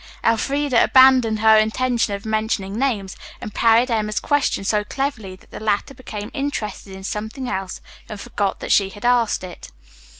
Elfreda abandoned her intention of mentioning names, and parried Emma's question so cleverly that the latter became interested in something else and forgot that she had asked it.